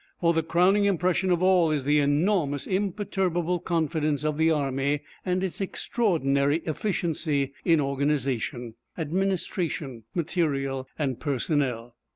For the crowning impression of all is the enormous imperturbable confidence of the Army and its extraordinary efficiency in organisation, administration, material, and personnel.